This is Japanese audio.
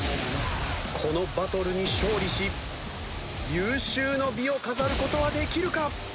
このバトルに勝利し有終の美を飾る事はできるか？